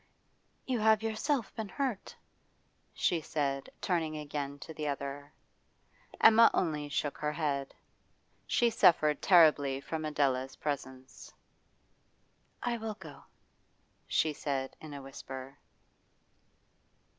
'You have yourself been hurt,' she said, turning again to the other. Emma only shook her head. She suffered terribly from Adela's presence. 'I will go,' she said in a whisper.